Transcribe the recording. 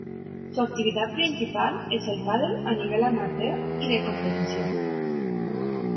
Su actividad principal es el pádel a nivel amateur y de competición.